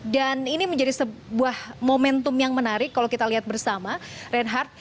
dan ini menjadi sebuah momentum yang menarik kalau kita lihat bersama reinhardt